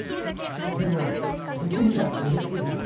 でも役に立てて嬉しいです。